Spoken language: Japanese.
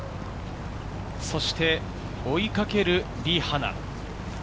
そして、追いかけるリ・ハナ。